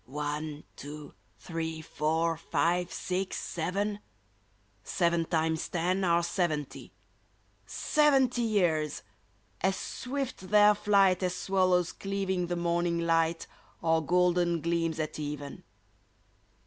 *' One, two, three, four, five, six, seven ! Seven times ten are seventy. Seventy years ! as swift their flight As swallows cleaving the morning light, Or golden gleams at even.